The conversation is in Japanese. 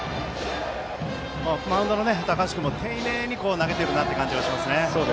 マウンドの高橋君も丁寧に投げている感じがしますね。